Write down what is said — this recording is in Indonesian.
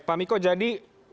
pak miko jadi